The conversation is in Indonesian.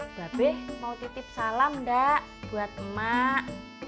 babeh mau titip salam enggak buat emak